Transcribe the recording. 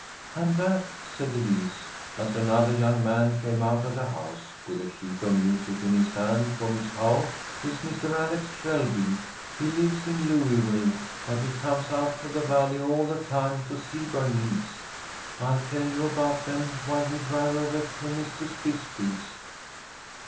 "And that," said Elise, as another young man came out of the house with a sheet of music in his hand for Miss Howe, "is Mister Alex Shelby. He lives in Louisville, but he comes out to the Valley all the time to see Bernice. I'll tell you about them while we drive over to Mrs. Bisbee's.